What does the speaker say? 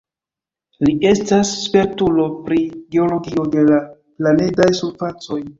Li estas spertulo pri geologio de la planedaj surfacoj.